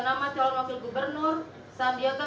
nama calon wakil gubernur sandiaga